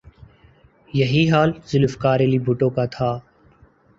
یہی حال ذوالفقار علی بھٹو کا تھا۔